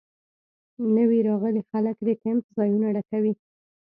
نوي راغلي خلک د کیمپ ځایونه ډکوي